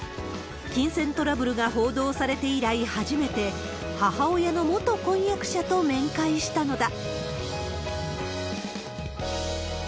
金銭トラブルが報道されて以来、初めて母親の元婚約者と面会したのだ。